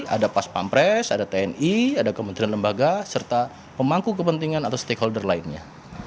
ada pas pampres ada tni ada kementerian lembaga serta pemangku kepentingan atau stakeholder lainnya